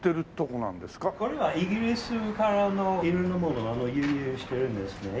これはイギリスからの色んなものを輸入してるんですけど。